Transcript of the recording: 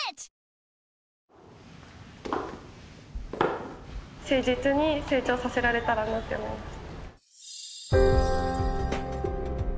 まぐろあっ誠実に成長させられたらなって思います